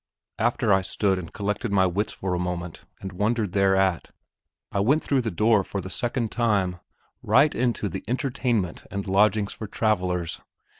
After I had stood and collected my wits for a moment and wondered thereat, I went through the door for the second time, right into the "Entertainment and lodgings for travellers."